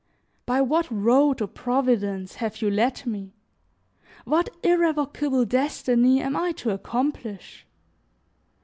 By what road, O Providence! have you led me? What irrevocable destiny am I to accomplish?